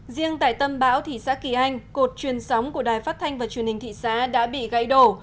riêng tại tâm bão thị xã kỳ anh cột truyền sóng của đài phát thanh và truyền hình thị xã đã bị gãy đổ